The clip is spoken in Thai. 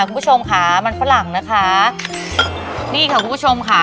คุณผู้ชมค่ะมันฝรั่งนะคะนี่ค่ะคุณผู้ชมค่ะ